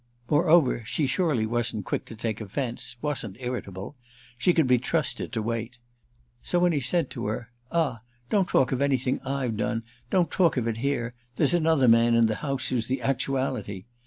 Moreover she surely wasn't quick to take offence, wasn't irritable; she could be trusted to wait. So when he said to her, "Ah don't talk of anything I've done, don't talk of it here; there's another man in the house who's the actuality!"